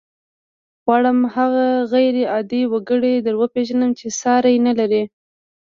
غواړم هغه غير عادي وګړی در وپېژنم چې ساری نه لري.